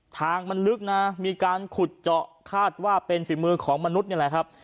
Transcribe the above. ทางมันลึกนะมีการขุดเจาะคาดว่าเป็นฝีมือของมนุษย์นี่แหละครับ